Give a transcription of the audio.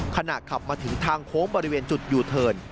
ขณะขับมาถึงทางโค้งบริเวณจุดยูเทิร์น